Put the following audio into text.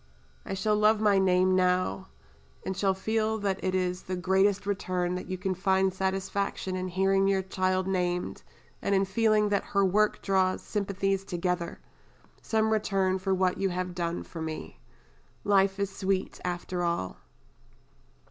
I shall love my name now, and shall feel that it is the greatest return that you can find satisfaction in hearing your child named, and in feeling that her work draws sympathies together some return for what you have done for me. Life is sweet after all."